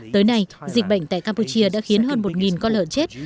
tới nay dịch bệnh tại campuchia đã khiến hơn một con lợn chết